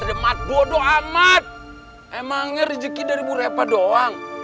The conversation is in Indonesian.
emangnya rezeki dari bu reva doang